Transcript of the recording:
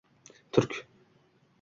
turk